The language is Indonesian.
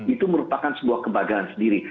itu merupakan sebuah kebanggaan sendiri